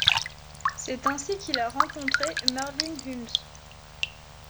C'est ainsi qu'il a rencontré Marvin Humes.